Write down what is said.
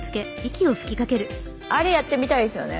あれやってみたいですよね。